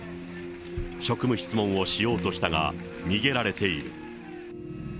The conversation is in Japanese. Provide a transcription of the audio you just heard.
職務質問をしようとしたが、逃げられている。